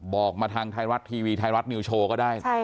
บอกมาทางไทยรัฐทีวีไทยรัฐนิวโชว์ก็ได้